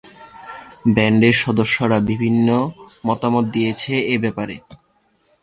ব্যান্ডের সদস্যরা বিভিন্ন মতামত দিয়েছেন এ ব্যাপারে।